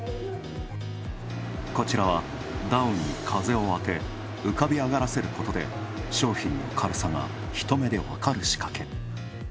こちらはダウンに風をあて、浮かび上がらせることで商品の軽さがひとめでわかる仕掛け。